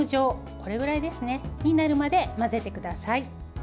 これくらいになるまで混ぜてください。